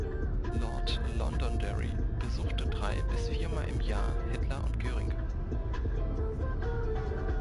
Lord Londonderry besuchte drei- bis viermal im Jahr Hitler und Göring.